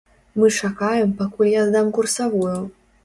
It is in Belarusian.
Мы чакаем, пакуль я здам курсавую.